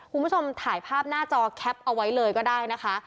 คุณผู้ชมถ่ายภาพหน้าจอแคปเอาไว้เลยก็ได้นะคะ